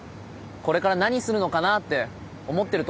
「これから何するのかな？」って思ってると思います。